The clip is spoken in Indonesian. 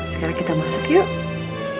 sekarang kita masuk yuk